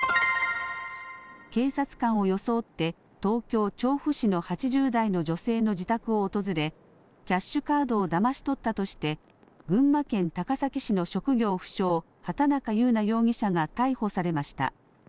警察官を装って東京、調布市の８０代の女性の自宅を訪れキャッシュカードをだまし取ったとして群馬県高崎市の職業不詳畑中優奈容疑者が逮捕されました。